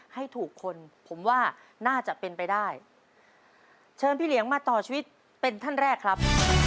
ให้ถูกคนผมว่าน่าจะเป็นไปได้เชิญพี่เหลียงมาต่อชีวิตเป็นท่านแรกครับ